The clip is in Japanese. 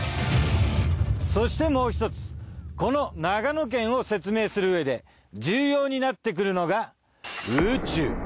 そしてもうひとつこの長野県を説明するうえで重要になってくるのが宇宙。